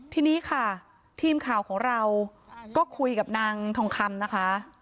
ทีนี้ค่ะทีมข่าวของเราก็คุยกับนางทองคำนะคะ